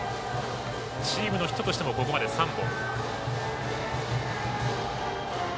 チームのヒットとしてもここまで３本。